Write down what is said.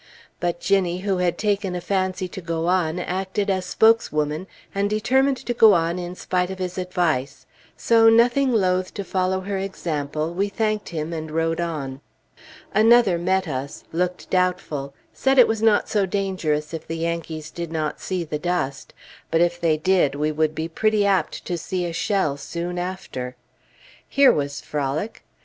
But Ginnie, who had taken a fancy to go on, acted as spokeswoman, and determined to go on in spite of his advice, so, nothing loath to follow her example, we thanked him, and rode on. Another met us; looked doubtful, said it was not so dangerous if the Yankees did not see the dust; but if they did, we would be pretty apt to see a shell soon after. Here was frolic!